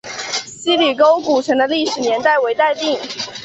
希里沟古城的历史年代为待定。